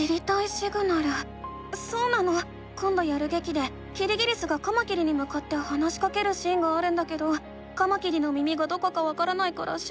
そうなのこんどやるげきでキリギリスがカマキリにむかって話しかけるシーンがあるんだけどカマキリの耳がどこかわからないから知りたいの。